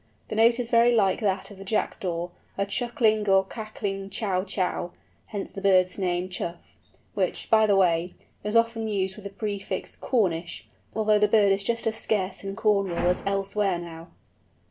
The note is very like that of the Jackdaw, a chuckling or cackling chow chow; hence the bird's name of Chough, which, by the way, is often used with the prefix "Cornish," although the bird is just as scarce in Cornwall as elsewhere now.